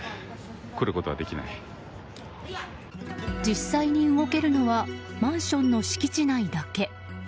実際に動けるのはマンションの敷地内だけ。